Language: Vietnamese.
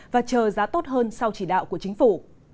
và chờ giá tốt hơn sau chỉ đạo của chính phủ